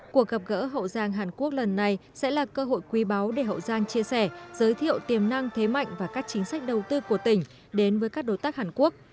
cuộc gặp gỡ hậu giang hàn quốc lần này sẽ là cơ hội quý báu để hậu giang chia sẻ giới thiệu tiềm năng thế mạnh và các chính sách đầu tư của tỉnh đến với các đối tác hàn quốc